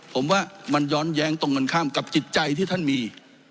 ผมว่ามันย้อนแย้งตรงกันข้ามกับจิตใจที่ท่านมี